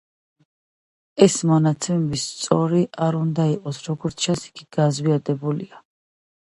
ეს მონაცემები სწორი არ უნდა იყოს, როგორც ჩანს, იგი გაზვიადებულია.